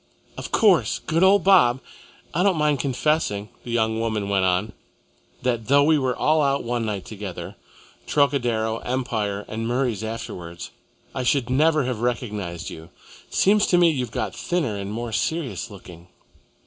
"Of course! Good old Bob! I don't mind confessing," the young woman went on, "that though we were all out one night together Trocadero, Empire, and Murray's afterwards I should never have recognised you. Seems to me you've got thinner and more serious looking."